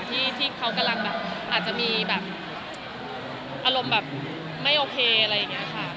ที่เขากำลังแบบอาจจะมีแบบอารมณ์แบบไม่โอเคอะไรอย่างนี้ค่ะ